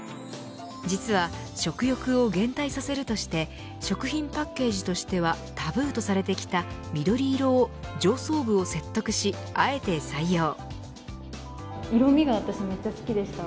実は食欲を減退させるとして食品パッケージとしてはタブーとされてきた緑色を上層部を説得しあえて採用。